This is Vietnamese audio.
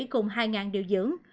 cùng hai điều dưỡng